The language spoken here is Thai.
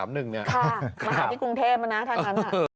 มาหาที่กรุงเทพฯมานะท่านน่ะ